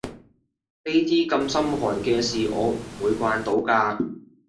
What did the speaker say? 呢啲咁心寒嘅事我唔會慣到㗎